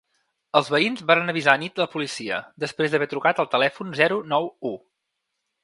Els veïns varen avisar anit la policia després d’haver trucat al telèfon zero nou u.